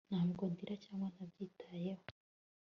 Ntabwo ndira cyangwa ntabyitayeho